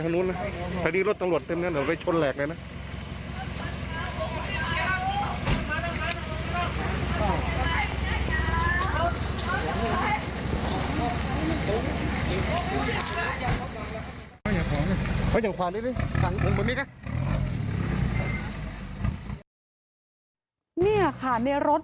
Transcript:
ในรถ